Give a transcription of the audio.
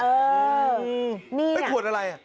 เออนี่นี่ขวดอะไร